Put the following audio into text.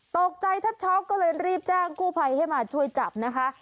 ตกใจแทบช็อกก็เลยรีบแจ้งกู้ภัยให้มาช่วยจับนะคะ